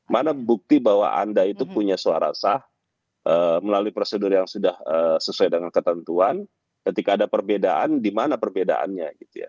mana bukti bahwa anda itu punya suara sah melalui prosedur yang sudah sesuai dengan ketentuan ketika ada perbedaan di mana perbedaannya